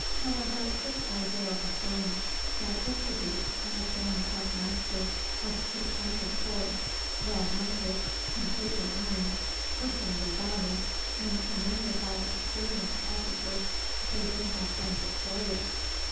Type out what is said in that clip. However, this I dare affirm, that if the Duke had been but master of two hundred horse, well mounted, completely armed, personally valiant, and commanded by experienced officers, they would have been victorious.